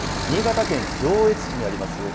新潟県上越市にあります